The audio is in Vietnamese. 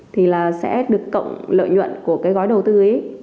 thì là sẽ được cộng lợi nhuận của cái gói đầu tư ấy